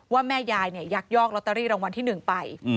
ว่าแม่ยายยักยอกลอตเตอรี่รางวัลที่๑ไป